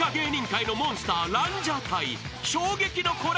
衝撃のコラボネタ］